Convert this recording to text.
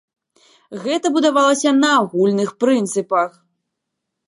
Гэта будавалася на агульных прынцыпах.